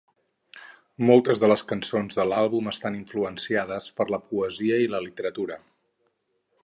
Moltes de les cançons de l'àlbum estan influenciades per la poesia i la literatura.